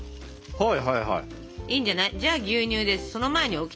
はい。